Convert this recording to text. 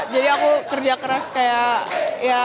jadi aku kerja keras kayak ya